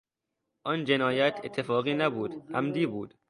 آن جنایت اتفاقی نبود; عمدی بود.